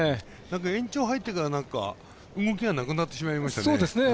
延長、入ってから動きがなくなってしまいましたね。